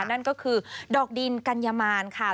นั่นก็คือดอกดินกัญญมารค่ะ